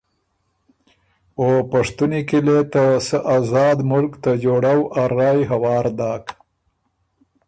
او پشتُونی کی لې ته سۀ آزاد ملک ته جوړؤ ا رایٛ هوار داک۔